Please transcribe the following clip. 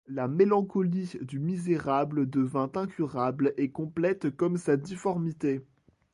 La mélancolie du misérable devint incurable et complète comme sa difformité.